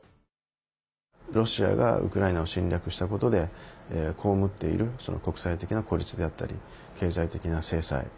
ロシアが、ウクライナを侵略したことで被っている国際的な孤立であったり経済的な制裁